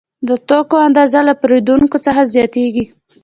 د توکو اندازه له پیرودونکو څخه زیاتېږي